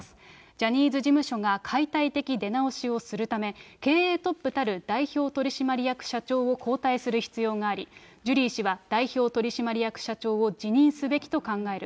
ジャニーズ事務所が解体的出直しをするため、経営トップたる代表取締役社長を交代する必要があり、ジュリー氏は代表取締役社長を辞任すべきと考える。